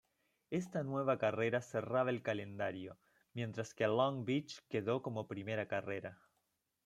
Esta nueva carrera cerraba el calendario, mientras que Long Beach quedó como primera carrera.